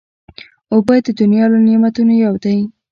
اوبه د دنیا له نعمتونو یو دی.